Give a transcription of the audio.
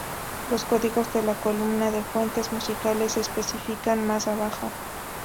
Los códigos de la columna de "Fuentes" musicales se especifican más abajo.